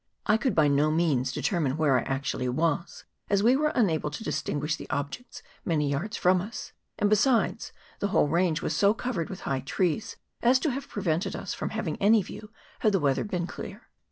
I could by no means determine where I actually was, as we were unable to distinguish the objects many yards from us ; and besides, the whole range was so covered with high trees as to have prevented us from having any view had the weather been clear.